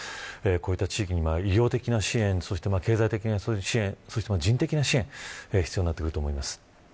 こうした地域に偉業的経済的な支援そして、人的な支援必要になってくると思います。